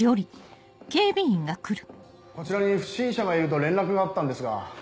・こちらに不審者がいると連絡があったんですが。